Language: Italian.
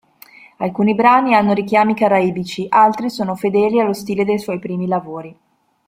Alcuni brani hanno richiami caraibici, altri sono fedeli allo stile dei suoi primi lavori.